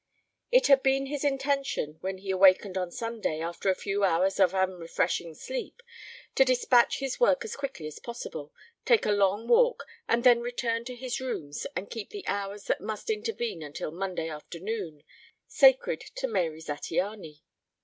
It had been his intention when he awakened on Sunday after a few hours of unrefreshing sleep to dispatch his work as quickly as possible, take a long walk, and then return to his rooms and keep the hours that must intervene until Monday afternoon, sacred to Mary Zattiany.